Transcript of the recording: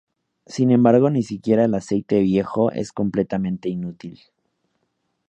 Sin embargo, ni siquiera el aceite viejo es completamente inútil.